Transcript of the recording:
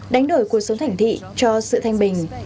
đánh đổi cuộc sống thành thị cho sự thanh bình